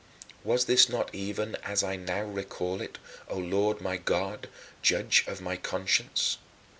Was this not even as I now recall it, O Lord my God, Judge of my conscience?